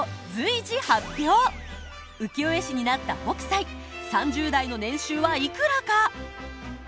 浮世絵師になった北斎３０代の年収はいくらか？